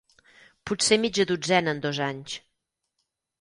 Potser mitja dotzena en dos anys.